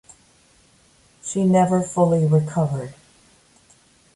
She never fully recovered.